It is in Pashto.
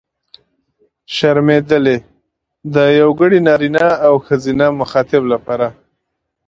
شرمېدلې! د یوګړي نرينه او ښځينه مخاطب لپاره.